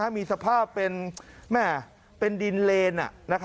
มีสภาพเป็นดินเลน